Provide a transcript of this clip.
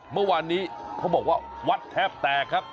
เมื่อวานนี้เขาบอกว่าวัดแทบแตกครับ